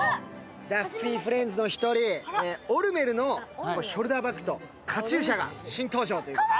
ダッフィー＆フレンズの１人、オル・メルのショルダーバッグとカチューシャが新登場ということです。